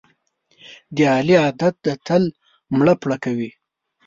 د علي عادت دی تل مړه پړه کوي.